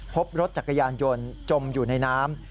พบรถจักรยานยนต์จมอยู่ในน้ำ